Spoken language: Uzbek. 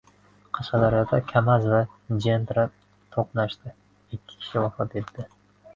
Qashqadaryoda Kamaz va Gentra to‘qnashdi. Ikki kishi vafot etdi